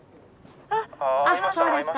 あっそうですか。